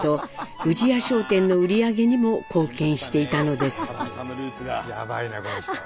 富士屋商店の売り上げにも貢献していたのです。